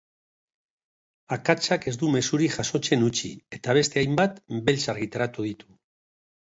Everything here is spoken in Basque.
Akatsak ez du mezurik jasotzen utzi eta beste hainbat, beltz argitaratu ditu.